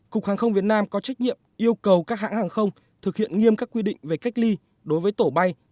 cục hàng không việt nam có trách nhiệm yêu cầu các hãng hàng không thực hiện nghiêm các quy định về cách ly đối với tổ bay theo hướng dẫn của bộ y tế